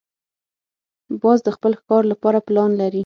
باز د خپل ښکار لپاره پلان لري